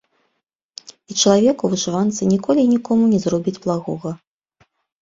І чалавек у вышыванцы ніколі і нікому не зробіць благога.